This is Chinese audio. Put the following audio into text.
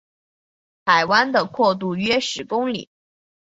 海湾的阔度是约十公里。